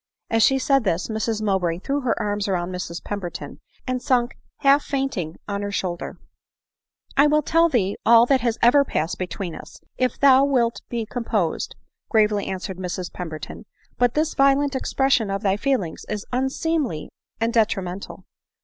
—" As she said this, Mrs Mowbray threw her arms round Mrs Pemberton, and sunk half fainting on her shoulder. A 4 "^W ADELINE MOWBRAY. 293 " I will tell thee all that has ever passed between us, if thou wilt be composed," gravely answered Mrs Pember ton ;" but this violent expression of thy feelings is un seemly and detrimental."